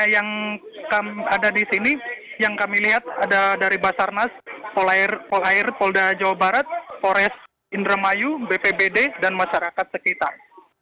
yang ada di sini yang kami lihat ada dari basarnas polair polda jawa barat pores indramayu bpbd dan masyarakat sekitar